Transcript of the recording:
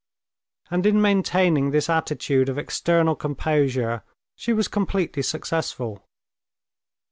And in maintaining this attitude of external composure she was completely successful.